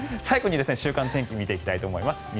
最後に週間天気を見ていきたいと思います。